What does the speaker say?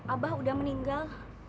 abah udah meninggal